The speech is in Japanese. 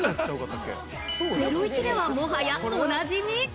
『ゼロイチ』ではもはや、おなじみ。